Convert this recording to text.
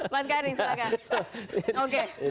mas garing silahkan